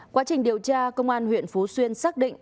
quá trình điều tra công an huyện phú xuyên xác định